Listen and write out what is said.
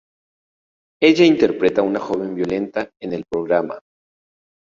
Ella interpreta a una joven violenta en el programa.